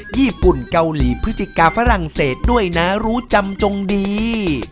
ญี่ปุ่นเกาหลีพฤศจิกาฝรั่งเศสด้วยนะรู้จำจงดี